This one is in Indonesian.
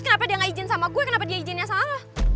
kenapa dia gak izin sama gue kenapa dia izinnya sama ra